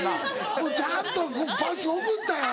もうちゃんとこうパス送ったよ。